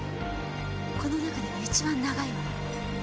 この中では一番長いわ。